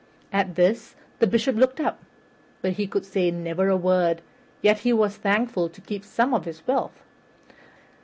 At this the Bishop looked up, but he could say never a word; yet he was thankful to keep some of his wealth.